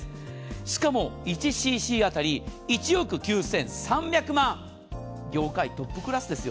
しかも、１ｃｃ当たり１億９３００万業界トップクラスですよ。